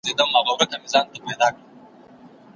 د پاچا تر اجازې وروسته وو تللی